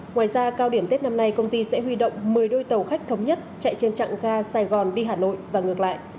ngoài ra cao điểm tết năm nay công ty sẽ huy động một mươi đôi tàu khách thống nhất chạy trên trạng ga sài gòn đi hà nội và ngược lại